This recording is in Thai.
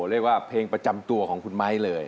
เรียกว่าเพลงประจำตัวของคุณไม้เลย